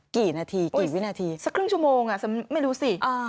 กี่นาทีกี่วินาทีสักครึ่งชั่วโมงฉันไม่รู้สิ